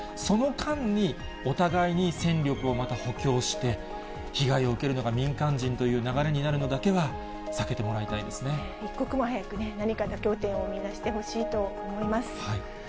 その間に、お互いに戦力をまた補強して、被害を受けるのが民間人という流れになるのだけは避けてもらいた一刻も早くね、何か妥協点を見いだしてほしいと思います。